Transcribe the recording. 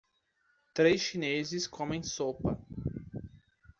três chineses comem sopa.